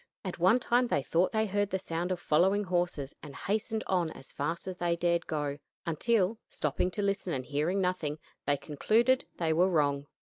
At one time they thought they heard the sound of following horses, and hastened on as fast as they dared go, until, stopping to listen and hearing nothing, they concluded they were wrong.